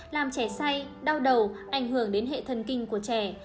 làm trẻ xay đau đầu ảnh hưởng đến hệ thần kinh của trẻ